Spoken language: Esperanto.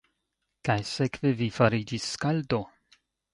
Kaj sekve vi fariĝis skaldo?